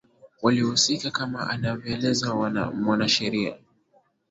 waliohusika kama anavyoeleza mwanasheria